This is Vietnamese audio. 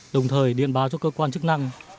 đồng thời điện báo cho cơ quan chức năng